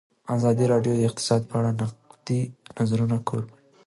ازادي راډیو د اقتصاد په اړه د نقدي نظرونو کوربه وه.